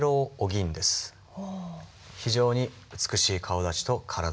非常に美しい顔だちと体。